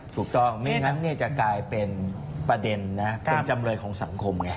ถูกต้องไม่งั้นจะกลายเป็นประเด็นนะเป็นจำเลยของสังคมไง